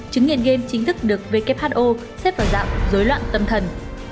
chứng nghiện game chính thức được who xếp vào dạng dối loạn tâm thần